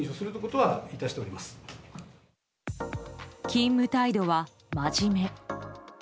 勤務態度は真面目。